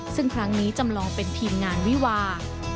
ซึ่งครั้งนี้จำลองเป็นทีมงานวิวา